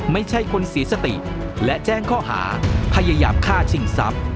ไม่ใช่คนเสียสติและแจ้งข้อหาพยายามฆ่าชิงทรัพย์